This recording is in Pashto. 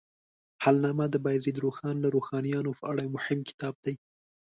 حالنامه د بایزید روښان او روښانیانو په اړه یو مهم کتاب دی.